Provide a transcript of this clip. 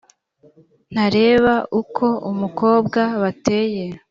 ntareba uko umukobwa bateye